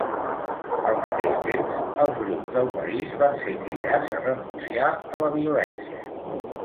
Al mateix temps, els grups del país van ser cridats a renunciar a la violència.